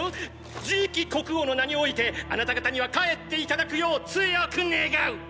次期国王の名においてあなた方には帰っていただくよう強く願う！！